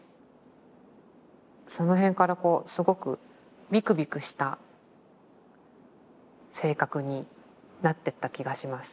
その辺からすごくビクビクした性格になってった気がします。